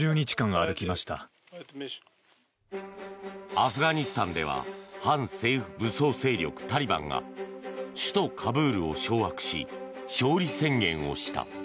アフガニスタンでは反政府武装勢力タリバンが首都カブールを掌握し勝利宣言をした。